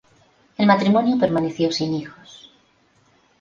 El matrimonio permaneció sin hijos.